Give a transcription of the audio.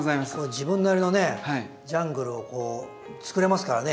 自分なりのねジャングルをこうつくれますからね。